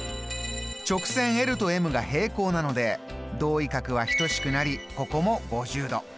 直線ｌとｍが平行なので同位角は等しくなりここも５０度。